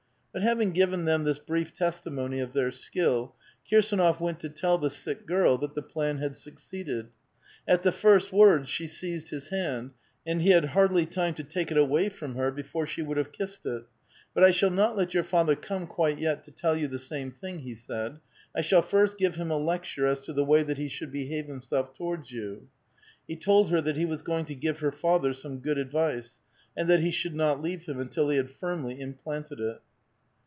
But having given them this brief testimony of their skill, Kirsdnof went to tell the sick girl that the plan had succeeded. At the first words she seized his hand, and he had hardlv time to take it awav from her before she would have kissed it. *' But 1 shall not let your father come quite yet, to tell you the same thing," he said. '' I shall first give him a le(; ture as to the way that he should behave iiimself towards you." He told her that he was going to give her father some good advice, and that he should not leave him until he had firmly implanted it.